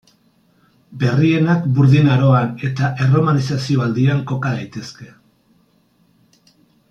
Berrienak Burdin Aroan eta erromanizazio aldian koka daitezke.